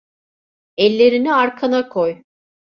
Ellerini arkana koy.